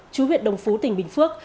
chú huyện đồng phú tỉnh bình phước